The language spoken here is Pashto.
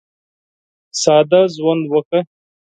ساده ژوند وکړه.